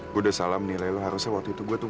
gua udah salah menilai lu harusnya waktu itu gua tuh